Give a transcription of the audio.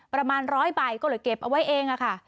ประมาณร้อยใบก็เลยเก็บเอาไว้เองค่ะ